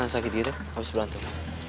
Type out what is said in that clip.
eh nah sakit gitu habis berantem